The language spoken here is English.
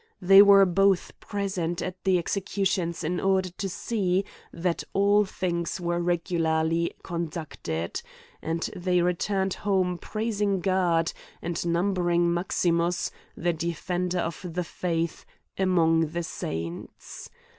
They were both present at the executions in order to sec that all things were regularly con ducted ; and they returned home praising God, and numbering Maximus, the defender of the faith, among the saints.